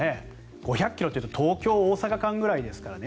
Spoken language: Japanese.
５００ｋｍというと東京大阪間ぐらいですからね。